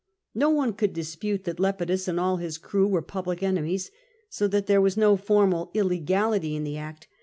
Ho one could dispute that Lepidus and all his crew were public enemies, so that there was no formal illegality in the act.